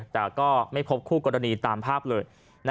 แต่ก็ไม่พบคู่กรณีตามภาพเลย